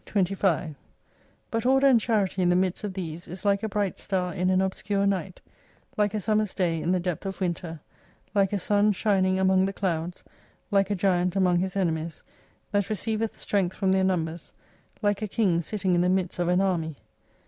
25 But order and charity in the midst of these, is Uke a bright star in an obscure night, hke a summer's day in the depth of winter, like a sun shining among the clouds, like a giant among his enemies, that receiveth strength from their numbers, like a king sitting in the midst of an army.